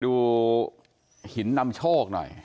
ดูหินนำโชคหน่อย